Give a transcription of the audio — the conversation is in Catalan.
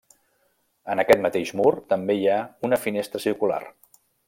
En aquest mateix mur també hi ha una finestra circular.